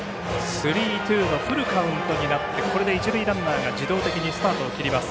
スリーツーのフルカウントになって、これで一塁ランナーが自動的にスタートを切ります。